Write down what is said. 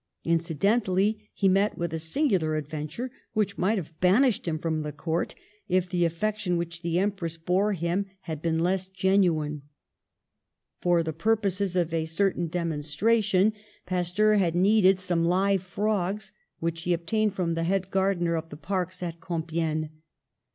Incidentally he met with a singular adventure, which might have banished him from the Court, if the affection which the Empress bore him had been less genuine. For the purposes of a certain demon FOR THE NATIONAL WEALTH 83 stration Pasteur had needed some live frogs, which he had obtained from the head gardener of the parks at Compiegne.